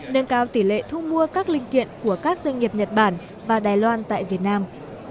nâng cao tỷ lệ thu mua các linh kiện của các doanh nghiệp nhật bản và đài loan tại việt nam